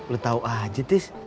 lu tahu aja tis